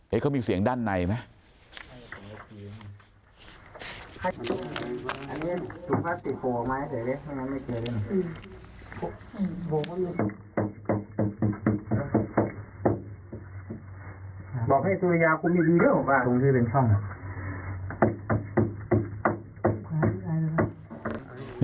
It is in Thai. เขามีเสียงด้านในไหม